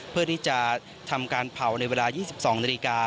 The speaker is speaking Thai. เพื่อที่จะทำการเผาในเวลา๒๒นาฬิกา